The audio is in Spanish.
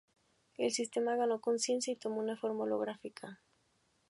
El Sistema ganó conciencia y tomó una forma holográfica.